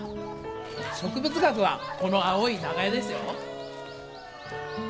植物学はこの青い長屋ですよ。